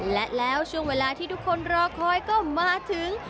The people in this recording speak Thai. และแล้วช่วงเวลาที่ทุกคนรอคอยก็มาถึง